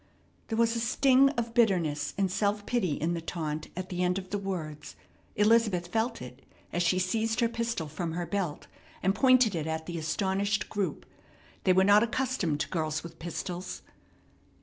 There was a sting of bitterness and self pity in the taunt at the end of the words. Elizabeth felt it, as she seized her pistol from her belt, and pointed it at the astonished group. They were not accustomed to girls with pistols.